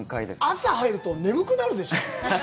朝入ると眠くなるでしょう？